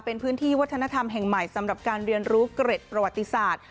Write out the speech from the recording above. เป็นพื้นที่วัฒนธรรมแห่งใหม่สำหรับการเรียนรู้เกร็ดประวัติศาสตร์